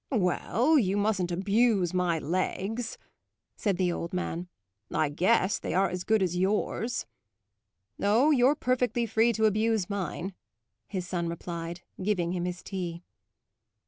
"Well, you mustn't abuse my legs," said the old man. "I guess they are as good as yours." "Oh, you're perfectly free to abuse mine," his son replied, giving him his tea.